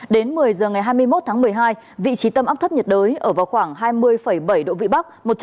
đến một mươi h ngày hai mươi một tháng một mươi hai vị trí tâm áp thấp nhiệt đới ở vào khoảng hai mươi bảy độ vĩ bắc